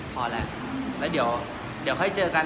พอแล้วแล้วเดี๋ยวค่อยเจอกัน